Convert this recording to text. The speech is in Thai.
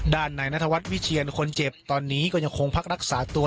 นายนัทวัฒน์วิเชียนคนเจ็บตอนนี้ก็ยังคงพักรักษาตัว